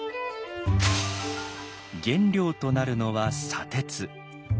原料となるのは砂鉄。